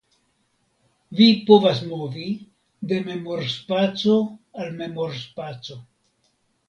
Vi povas movi de memorspaco al memorspaco.